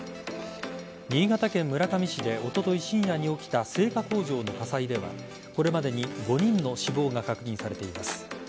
新潟県村上市でおととい深夜に起きた製菓工場の火災ではこれまでに５人の死亡が確認されています。